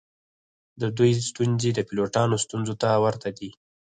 د دوی ستونزې د پیلوټانو ستونزو ته ورته دي